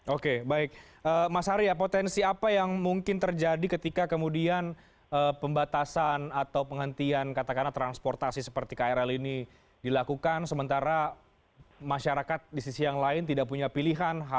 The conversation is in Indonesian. oke baik mas arya potensi apa yang mungkin terjadi ketika kemudian pembatasan atau penghentian katakanlah transportasi seperti krl ini dilakukan sementara masyarakat di sisi yang lain tidak punya pilihan